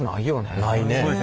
ないね。